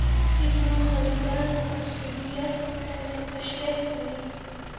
ابن خلدون عصبيت تشريح کوي.